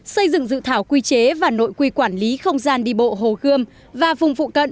xây dựng dự thảo quy chế và nội quy quản lý không gian đi bộ hồ gươm và vùng phụ cận